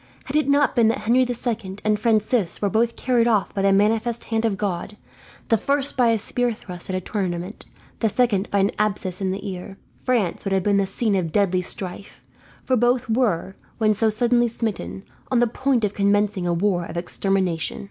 Had it not been that Henry the Second and Francis were both carried off by the manifest hand of God, the first by a spear thrust at a tournament, the second by an abscess in the ear, France would have been the scene of deadly strife; for both were, when so suddenly smitten, on the point of commencing a war of extermination.